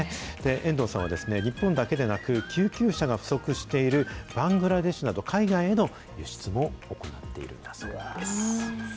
遠藤さんは、日本だけでなく、救急車の不足しているバングラデシュなど、海外への輸出も行っているんだそうです。